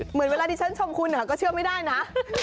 เหมือนเวลาที่ฉันชมคุณก็เชื่อไม่ได้นะ